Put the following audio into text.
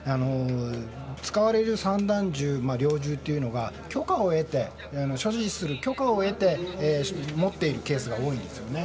使われる散弾銃、猟銃というのは所持する許可を得て持っているケースが多いんですよね。